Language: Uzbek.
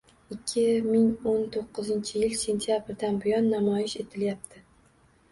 Ikki ming o’n to’qqiz yil sentyabridan buyon namoyish etilyapti.